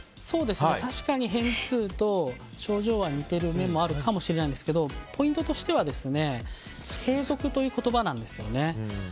確かに偏頭痛と症状は似てる面もあるかもしれないですがポイントとしては継続という言葉なんですよね。